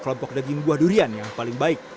dengan albangunan durian sehen